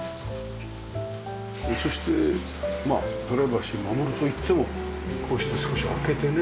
そしてまあプライバシーを守るといってもこうして少し開けてね。